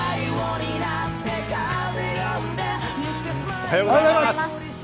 おはようございます。